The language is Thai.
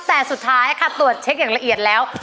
แต่สุดท้ายค่ะตรวจเช็คอย่างละเอียดแล้ว